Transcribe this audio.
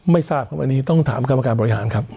ไม่ทราบครับอันนี้ต้องถามกรรมการบริหารครับ